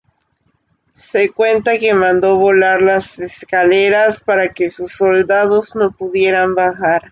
Se cuenta que mandó volar las escaleras para que sus soldados no pudieran bajar.